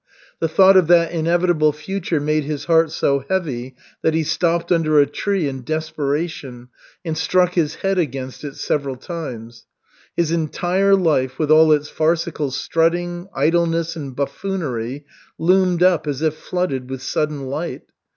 The thought of that inevitable future made his heart so heavy that he stopped under a tree in desperation, and struck his head against it several times. His entire life with all its farcical strutting, idleness, and buffoonery loomed up as if flooded with sudden light.